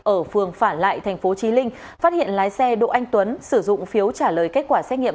ở phường phả lại tp chí linh phát hiện lái xe đỗ anh tuấn sử dụng phiếu trả lời kết quả xét nghiệm